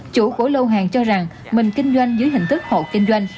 chủ của lô hàng cho rằng mình kinh doanh dưới hình thức hộ kinh doanh